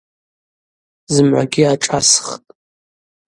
Зымгӏвагьи ашӏасхтӏ.